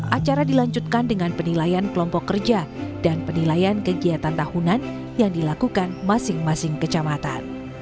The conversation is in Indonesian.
acara dilanjutkan dengan penilaian kelompok kerja dan penilaian kegiatan tahunan yang dilakukan masing masing kecamatan